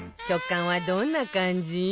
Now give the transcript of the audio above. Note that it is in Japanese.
食感はどんな感じ？